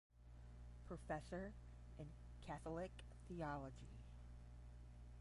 Professor in Catholic Theology.